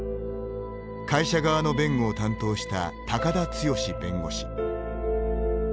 会社側の弁護を担当した高田剛弁護士。